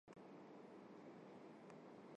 Այն դարձել է բեսթսելլեր։